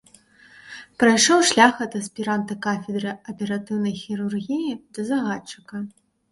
Прайшоў шлях ад аспіранта кафедры аператыўнай хірургіі да загадчыка.